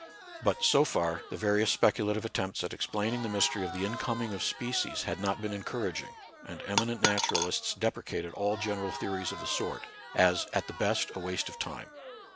But, so far, the various specu lative attempts at explaining the mystery of the incoming of species had not been encouraging, and eminent naturalists deprecated all general theories of the sort, as at the best a waste of time.